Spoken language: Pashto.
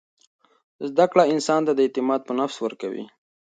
زده کړه انسان ته اعتماد په نفس ورکوي.